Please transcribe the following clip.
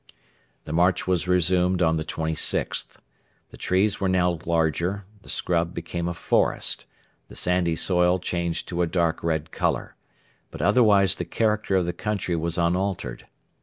The march was resumed on the 26th. The trees were now larger; the scrub became a forest; the sandy soil changed to a dark red colour; but otherwise the character of the country was unaltered.